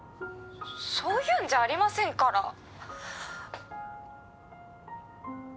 そそういうんじゃありませんから！